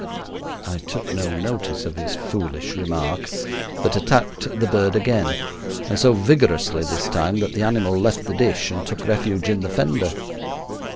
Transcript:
I took no notice of his foolish remark, but attacked the bird again; and so vigorously this time that the animal left the dish and took refuge in the fender.